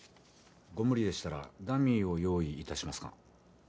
ご無理でしたらダミーを用意いたしますが。